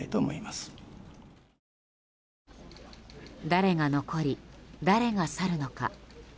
誰が残り、誰が去るのか。